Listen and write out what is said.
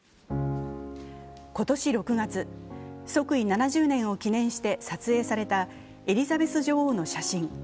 今年６月、即位７０年を記念して撮影されたエリザベス女王の写真。